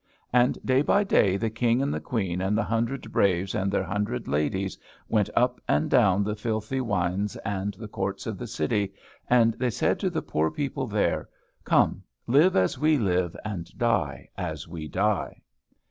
And day by day the King and the Queen and the hundred braves and their hundred ladies went up and down the filthy wynds and courts of the city, and they said to the poor people there, "Come, live as we live, and die as we die."